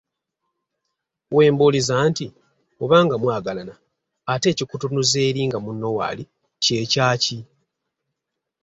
Wembuuliza nti, oba nga mwagalagana ate ekikutunuza eri nga munno waali kye kyaki?